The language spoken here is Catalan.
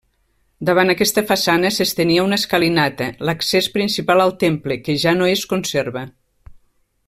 Davant aquesta façana s'estenia una escalinata, l'accés principal al temple, que ja no es conserva.